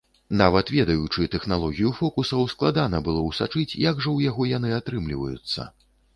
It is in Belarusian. Нават ведаючы тэхналогію фокусаў, складана было ўсачыць, як жа ў яго яны атрымліваюцца?